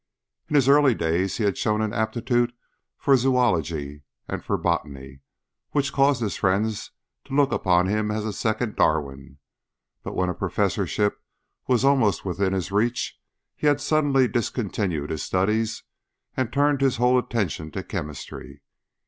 In his early days he had shown an aptitude for zoology and for botany which caused his friends to look upon him as a second Darwin, but when a professorship was almost within his reach he had suddenly discontinued his studies and turned his whole attention to chemistry.